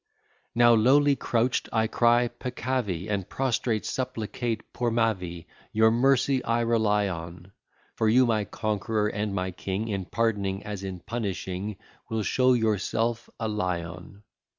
Now lowly crouch'd, I cry peccavi, And prostrate, supplicate pour ma vie; Your mercy I rely on; For you my conqueror and my king, In pardoning, as in punishing, Will show yourself a lion.